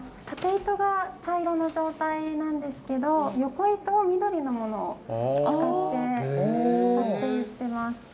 縦糸が茶色の状態なんですけど横糸を緑のものを使って織っていってます。